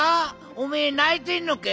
おめえないてんのけ？